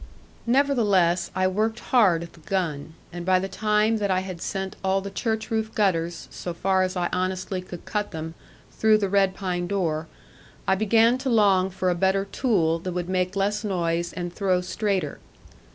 Nevertheless, I worked hard at the gun, and by the time that I had sent all the church roof gutters, so far as I honestly could cut them, through the red pine door, I began to long for a better tool that would make less noise and throw straighter.